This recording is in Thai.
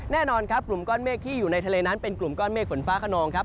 แน่นอนครับกลุ่มก้อนเมฆที่อยู่ในทะเลนั้นเป็นกลุ่มก้อนเมฆฝนฟ้าขนองครับ